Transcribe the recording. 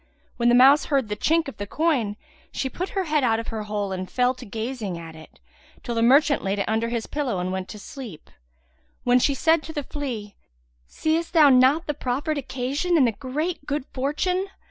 When the mouse heard the chink of the coin, she put her head out of her hole and fell to gazing at it, till the merchant laid it under his pillow and went to sleep, when she said to the flea, "Seest thou not the proffered occasion and the great good fortune?